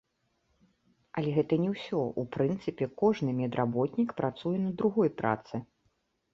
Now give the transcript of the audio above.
Але гэта не ўсё, у прынцыпе, кожны медработнік працуе на другой працы.